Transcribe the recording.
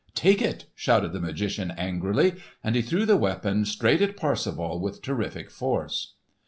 "Take it!" shouted the magician angrily. And he threw the weapon straight at Parsifal with terrific force.